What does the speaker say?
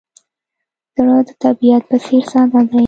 زړه د طبیعت په څېر ساده دی.